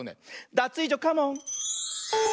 ダツイージョカモン！